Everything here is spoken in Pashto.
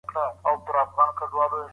خو ژبه دې ژوندۍ وي.